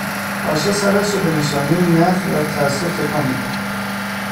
آشا سرش را به نشانهی نفی و تأسف تکان میدهد